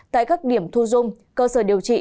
tại các điểm thu dung cơ sở điều trị